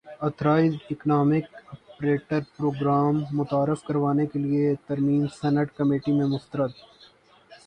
authorised economic operator programme متعارف کروانے کیلئے ترمیم سینیٹ کمیٹی میں مسترد